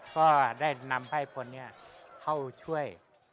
ก็ได้นำให้คนนี้เข้าช่วย